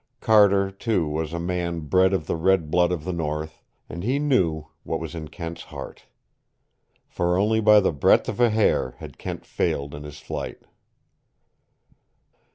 Carter, too, was a man bred of the red blood of the North, and he knew what was in Kent's heart. For only by the breadth of a hair had Kent failed in his flight.